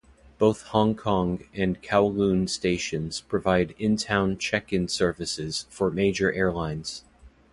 Both Hong Kong and Kowloon stations provide in-town check-in services for major airlines.